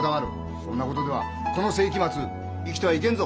そんなことではこの世紀末生きてはいけんぞ！